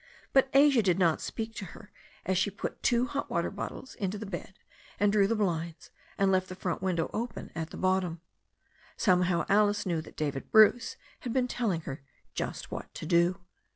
But Asia did not speak to her as she put two hot water bottles into the bed, and drew the blinds, and left the front window open at the bottom. Some how Alice knew that David Bruce had been telling her just what to do.